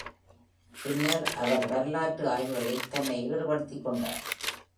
பின்னர் அவர் வரலாற்று ஆய்வுகளில் தன்னை ஈடுபடுத்திக் கொண்டார்.